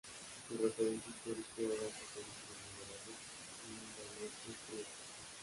Su referente histórico era el socialismo moderado de Indalecio Prieto.